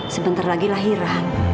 sebentar lagi lahiran